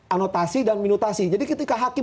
anotasi dan minutasi jadi ketika hakim